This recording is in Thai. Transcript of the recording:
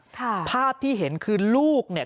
ภาพที่เห็นคือลูกเนี่ย